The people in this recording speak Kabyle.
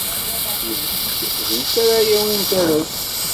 Yessefk d nekk ara yawin tarrazt.